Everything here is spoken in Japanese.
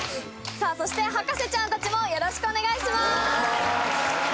さあそして博士ちゃんたちもよろしくお願いします。